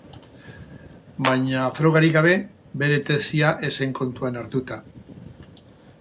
Baina frogarik gabe, bere tesia ez zen kontuan hartuta.